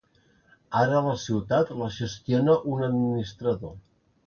Ara la ciutat la gestiona un administrador.